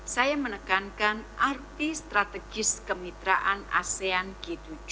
saya menekankan arti strategis kemitraan asean g tujuh